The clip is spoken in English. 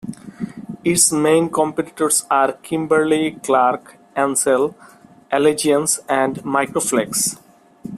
Its main competitors are Kimberly-Clark, Ansell, Allegiance and Microflex.